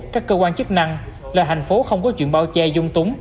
các cơ quan chức năng là thành phố không có chuyện bao che dung túng